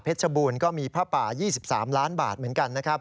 เพชรฉบูนก็มีพระป่ายี่สิบสามล้านบาทเหมือนกัน